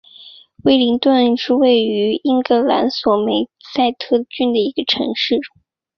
威灵顿是位于英格兰索美塞特郡的一个城市。